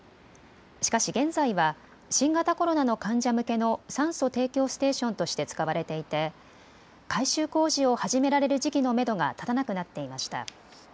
しかし現在は新型コロナの患者向けの酸素提供ステーションとして使われていて改修工事を始められる時期のめどが立たなくなっていました。